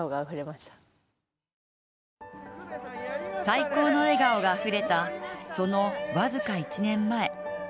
最高の笑顔があふれたその僅か１年前。